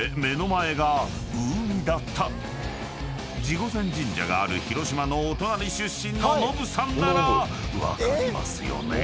［地御前神社がある広島のお隣出身のノブさんなら分かりますよね？］